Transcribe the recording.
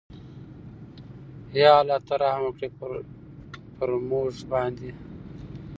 ېاالله ته رحم وکړې پرموګ باندې